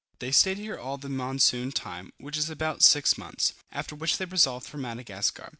They stayed here all the monsoon time, which is about six months; after which they resolved for Madagascar.